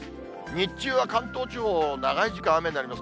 日中は関東地方、長い時間、雨になります。